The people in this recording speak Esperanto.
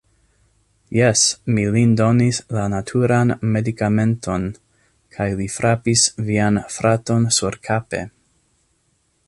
Jes, mi lin donis la naturan medikamenton. Kaj li frapis vian fraton surkape.